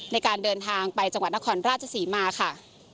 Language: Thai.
ในการเดินทางไปจังหวัดนครราชศรีมาค่ะ